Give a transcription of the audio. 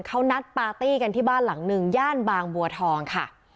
เขานัดปาร์ตี้กันที่บ้านหลังหนึ่งย่านบางบัวทองค่ะ